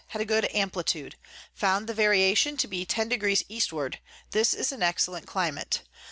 had a good Amplitude, found the Variation to be 10 deg. Eastward. This is an excellent Climate.